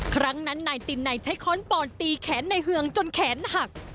ครั้งนั้นนายตินในใช้ค้อนปอนตีแขนในเฮืองจนแขนหัก